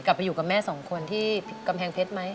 กลับไปอยู่กับแม่สองคนที่กำแพงเพชรไหม